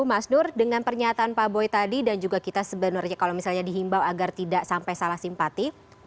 mas nur dengan pernyataan pak boy tadi dan juga kita sebenarnya kalau misalnya dihimbau agar tidak sampai salah simpati